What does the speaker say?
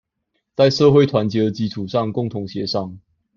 在社會團結的基礎上共同協商